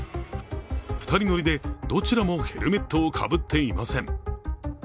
２人乗りで、どちらもヘルメットをかぶっていません。